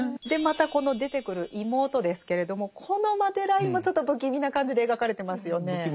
でまたこの出てくる妹ですけれどもこのマデラインもちょっと不気味な感じで描かれてますよね。